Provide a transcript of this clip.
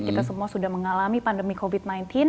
kita semua sudah mengalami pandemi covid sembilan belas